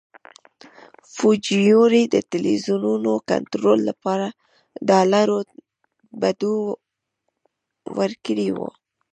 فوجیموري د ټلویزیونونو کنټرول لپاره ډالرو بډو ورکړي وو.